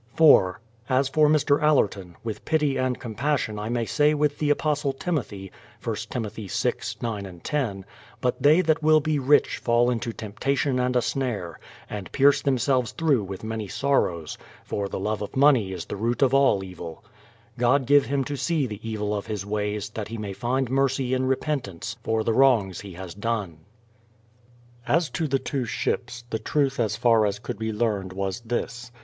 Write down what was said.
4. As for Mr. Allerton, w^ith pity and compassion I may say with the apostle Timothy (I Tim. vi, 9, 10) : "But they that will be rich fall into temptation and a snare ... and pierce themselves through with many sorrows •.. for the love of money is the root of all evil." God give him to see the evil of his ways, that he may find mercy in repentance for the wrongs he has done. As to the two ships, the truth as far as could be learned was this.